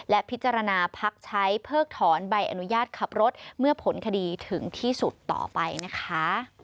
และพิจารณาพักใช้เพิกถอนใบอนุญาตขับรถเมื่อผลคดีถึงที่สุดต่อไปนะคะ